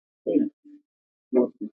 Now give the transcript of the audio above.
کوچیان د افغانستان د طبعي سیسټم توازن ساتي.